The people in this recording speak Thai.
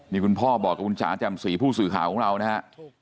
นี่คุณพ่อบอกกับคุณจ๋าแจ่มสีผู้สื่อข่าวของเรานะฮะ